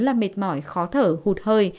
là mệt mỏi khó thở hụt hơi